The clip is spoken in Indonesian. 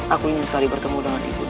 aku ingin sekali bertemu dengan ibu